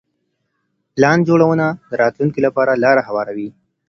پلان جوړونه د راتلونکي لپاره لاره هواروي.